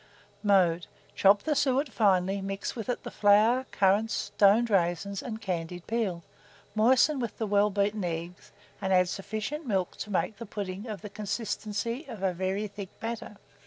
Mode. Chop the suet finely; mix with it the flour, currants, stoned raisins, and candied peel; moisten with the well beaten eggs, and add sufficient milk to make the pudding of the consistency of very thick batter.